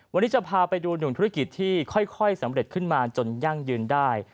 วันนี้จะพาไปดูหนึ่งธุรกิจที่ค่อยสำเร็จขึ้นมาจนยั่งยืนได้